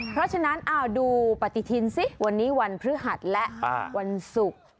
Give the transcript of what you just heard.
เพราะฉะนั้นดูปฏิทินสิวันนี้วันพฤหัสและวันศุกร์